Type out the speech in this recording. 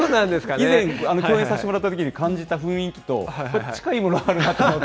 以前、共演させてもらったときに、感じた雰囲気と近いものがあるなと思って。